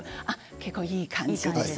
結構いい感じです。